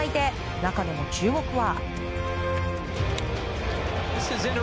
中でも注目は。